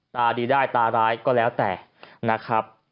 ตาดีได้ตาร้ายก็แล้วแต่นะครับ